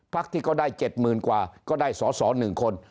ภักดิ์ที่ก็ได้เจ็ดหมื่นกว่าก็ได้สอสอหนึ่งคน